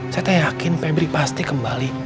saya tak yakin febri pasti kembali